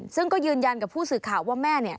ซึ่งก็ยืนยันกับผู้สื่อข่าวว่าแม่เนี่ย